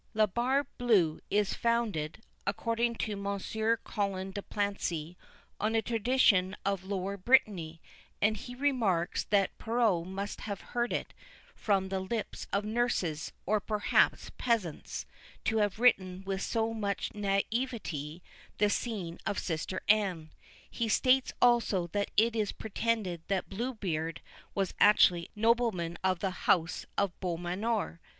La Barbe Bleue is founded, according to Mons. Colin de Plancy, on a tradition of Lower Brittany; and he remarks that Perrault must have heard it from the lips of nurses, or perhaps peasants, to have written with so much naïveté the scene of Sister Anne. He states also that it is pretended that Blue Beard was actually a nobleman of the house of Beaumanoir.